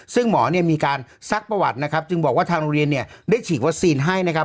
ซึ่งหมอเนี่ยมีการซักประวัตินะครับจึงบอกว่าทางโรงเรียนเนี่ยได้ฉีดวัคซีนให้นะครับ